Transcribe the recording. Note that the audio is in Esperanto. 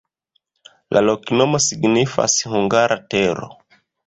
La loknomo signifas: hungara-tero.